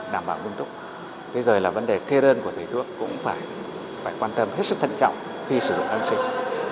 và bán thuốc thế giờ là vấn đề cây đơn của thầy thuốc cũng phải quan tâm hết sức thân trọng khi sử dụng kháng sinh